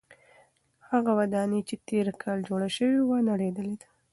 هغه ودانۍ چې تېر کال جوړه شوې وه نړېدلې ده.